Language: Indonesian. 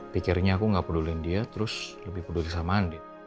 pikirnya aku gak pedulin dia terus lebih peduli sama andien